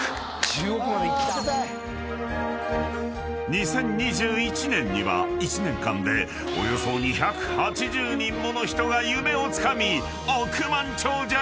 ［２０２１年には一年間でおよそ２８０人もの人が夢をつかみ億万長者に！］